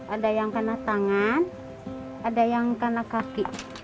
ada yang kena tangan ada yang kena kaki